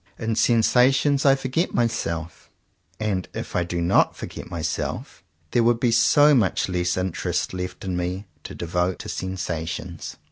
In sensa tions I forget myself; and if I did not forget myself, there would be so much less interest left in me to devote to sensations.